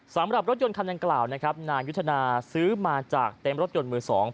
สำหรับรถยนต์คันดังกล่าวนะครับนายุทธนาซื้อมาจากเต็มรถยนต์มือ๒